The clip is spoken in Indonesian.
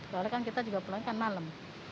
walaupun kita juga pulang kan malam